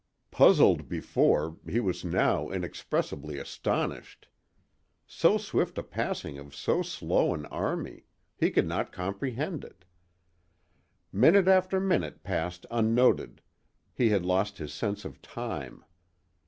Puzzled before, he was now inexpressibly astonished. So swift a passing of so slow an army!—he could not comprehend it. Minute after minute passed unnoted; he had lost his sense of time.